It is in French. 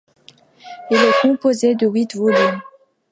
Il est composé de huit volumes.